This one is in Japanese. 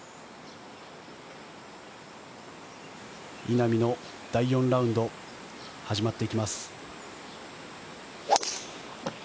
稲見の第４ラウンド始まっていきます。